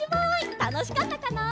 たのしかったかな？